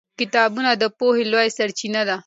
کتابونه د پوهې لویه سرچینه ده